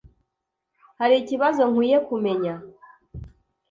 Hari ikibazo nkwiye kumenya?